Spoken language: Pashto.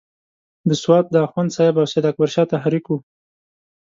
د سوات د اخوند صاحب او سید اکبر شاه تحریک وو.